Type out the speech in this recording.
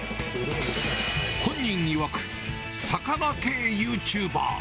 本人いわく、魚系ユーチューバー。